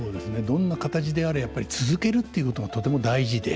どんな形であれやっぱり続けるっていうことがとても大事で。